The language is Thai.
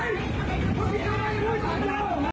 สวัสดีครับคุณผู้ชาย